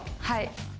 はい。